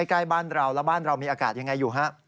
แล้วบ้านเรามีอากาศอย่างไรอยู่ฮะ